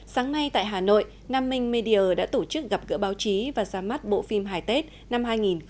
sáng nay tại hà nội nam minh media đã tổ chức gặp gỡ báo chí và ra mắt bộ phim hải tết năm hai nghìn hai mươi